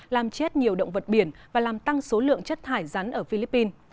làm chết nhiều động vật biển và làm tăng số lượng chất thải rắn ở philippines